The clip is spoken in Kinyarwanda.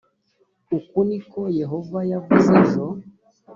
uku ni ko yehova yavuze ejo